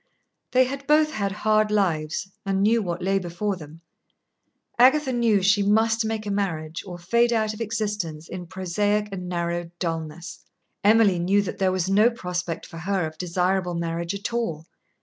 They had both had hard lives, and knew what lay before them. Agatha knew she must make a marriage or fade out of existence in prosaic and narrowed dulness. Emily knew that there was no prospect for her of desirable marriage at all.